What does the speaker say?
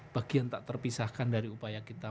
bagian tak terpisahkan dari upaya kita